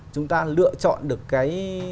chúng ta lựa chọn được cái